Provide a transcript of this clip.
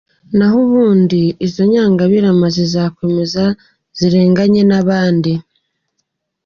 Naho ubundi izo nyangabirama zizakomeza zirenganye n'abandi.